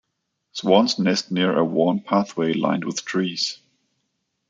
Swans nest near a worn pathway lined with trees.